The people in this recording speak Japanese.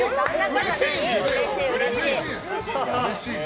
うれしいよ！